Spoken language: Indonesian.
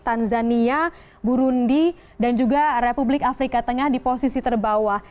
tanzania burundi dan juga republik afrika tengah di posisi terbawah